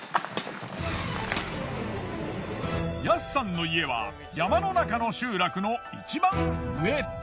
ヤスさんの家は山の中の集落の一番上。